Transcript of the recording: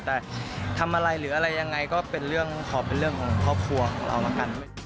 แต่ทำอะไรหรืออะไรยังไงก็เป็นเรื่องขอเป็นเรื่องของครอบครัวของเราแล้วกัน